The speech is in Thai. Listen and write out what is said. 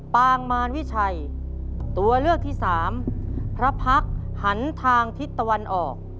ปางมารวิชัยตัวเลือกที่สามพระพักษ์หันทางทิศตะวันออก